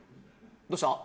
どうした？